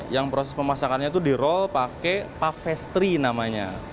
yang proses pemasakannya tuh di roll pakai puff pastry namanya